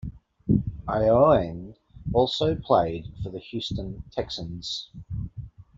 Ioane also played for the Houston Texans.